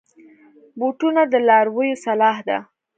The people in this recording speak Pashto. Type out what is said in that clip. بوټونه د لارویو سلاح ده.